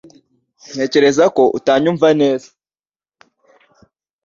Ntekereza ko utabyumva neza